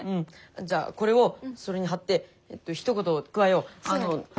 じゃあこれをそれに貼ってひと言加えよう。